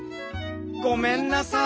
ごめんなさい。